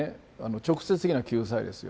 直接的な救済ですよ。